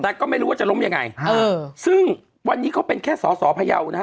แต่ก็ไม่รู้ว่าจะล้มยังไงเออซึ่งวันนี้เขาเป็นแค่สอสอพยาวนะฮะ